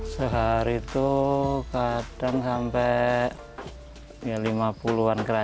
sehari itu kalau saya bisa mencoba saya akan mencoba